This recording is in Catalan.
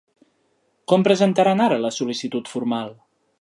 Com presentaran ara la sol·licitud formal?